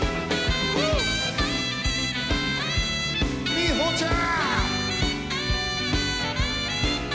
みほちゃん。